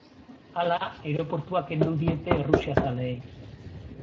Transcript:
Hala, aireportua kendu diete errusiazaleei.